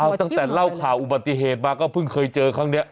เอาตั้งแต่เล่าข่าวอุบัติเหตุมาก็เพิ่งเคยเจอครั้งนี้